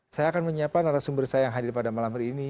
saya akan menyiapkan narasumber saya yang hadir pada malam hari ini